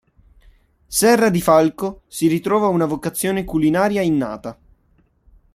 Serradifalco si ritrova una vocazione culinaria innata.